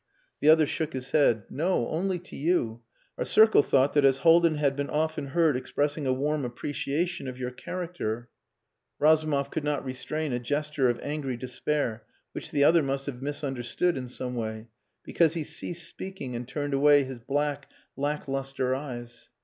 The other shook his head. "No, only to you. Our circle thought that as Haldin had been often heard expressing a warm appreciation of your character...." Razumov could not restrain a gesture of angry despair which the other must have misunderstood in some way, because he ceased speaking and turned away his black, lack lustre eyes.